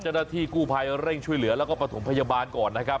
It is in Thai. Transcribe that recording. เจ้าหน้าที่กู้ภัยเร่งช่วยเหลือแล้วก็ประถมพยาบาลก่อนนะครับ